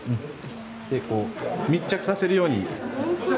密着させるように。